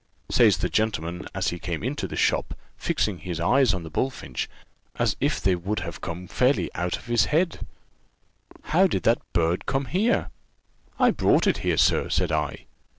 Says the gentleman, as he came into the shop, fixing his eyes on the bullfinch as if they would have come fairly out of his head, 'How did that bird come here?' 'I brought it here, sir,' said I.